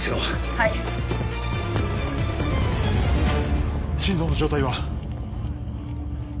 はい心臓の状態は？